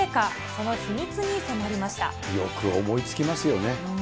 その秘密に迫りましよく思いつきますよね。